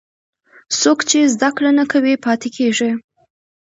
څوک چې زده کړه نه کوي، پاتې کېږي.